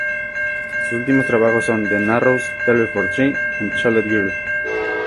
Sus últimos trabajos son "The Narrows", "Table for Three" y "Chalet Girl.